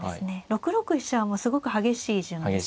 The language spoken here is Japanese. ６六飛車はすごく激しい順ですね。